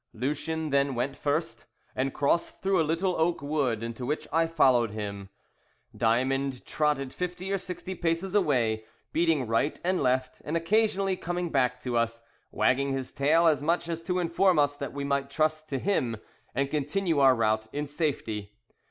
Lucien then went first, and crossed through a little oak wood, into which I followed him. Diamond trotted fifty or sixty paces away, beating right and left, and occasionally coming back to us, wagging his tail as much as to inform us that we might trust to him and continue our route in safety.